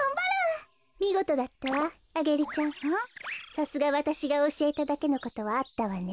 さすがわたしがおしえただけのことはあったわね。